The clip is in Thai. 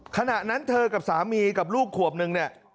ขณะนั้นเธอกับสามีกับลูกขวบนึงเนี่ย